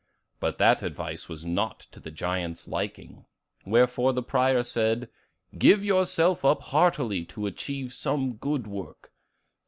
But that advice was not to the giant's liking; wherefore the prior said, 'Give yourself up heartily to achieve some good work.